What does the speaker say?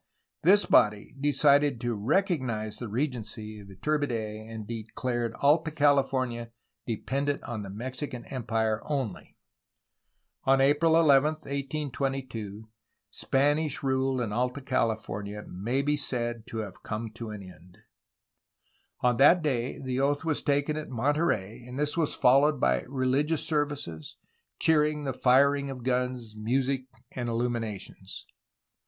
This body decided to recognize the regency of Iturbide, and de clared Alta California dependent on the Mexican Empire only. On April 11, 1822, Spanish rule in Alta California may be said to have come to an end. On that day the oath was taken at Monterey, and this was followed by religious services, cheering, the firing of guns, music, and illuminations.